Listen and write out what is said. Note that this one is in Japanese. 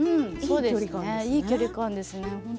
いい距離感ですね